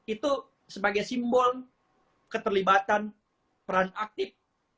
itu sebagai simbol keterlibatan peran aktif